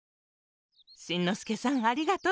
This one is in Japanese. しんのすけさんありがとう。